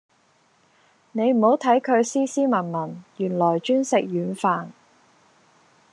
你唔好睇佢斯斯文文，原來專食軟飯